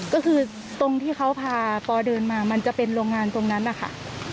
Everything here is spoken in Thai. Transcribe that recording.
ก็คือตรงที่เขาพาปอเดินมามันจะเป็นโรงงานตรงนั้นนะคะ